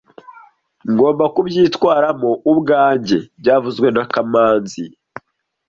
Ngomba kubyitwaramo ubwanjye byavuzwe na kamanzi